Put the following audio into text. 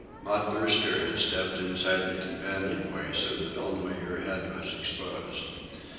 Maud Brewster had stepped inside the companion way so that only her head was exposed.